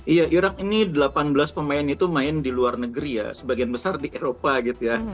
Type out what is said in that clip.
ya jadi iraq ini delapan belas pemain itu main di luar negeri ya sebagian besar di eropa gitu ya